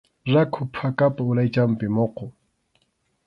Rakhu phakapa uraychanpi muqu.